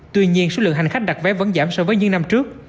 tuy nhiên số lượng hành khách đặt vé vẫn giảm so với những năm trước